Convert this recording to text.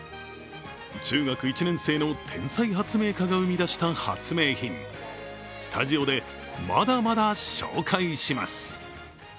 中学１年生の天才発明家が生み出した発明品、スタジオでまだまだ紹介します。